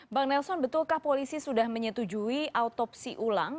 bang nelson betulkah polisi sudah menyetujui autopsi ulang